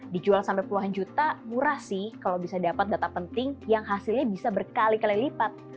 dijual sampai puluhan juta murah sih kalau bisa dapat data penting yang hasilnya bisa berkali kali lipat